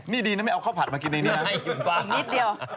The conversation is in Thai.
นี่ดีน่ะไม่เอาข้าวผัดมากินในนี้